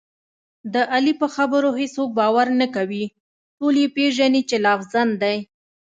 د علي په خبرو هېڅوک باور نه کوي، ټول یې پېژني چې لافزن دی.